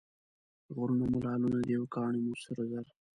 غرونه مو لعلونه دي او کاڼي مو سره زر.